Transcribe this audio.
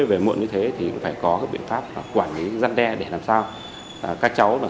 về muộn như thế thì cũng phải có các biện pháp quản lý gian đe để làm sao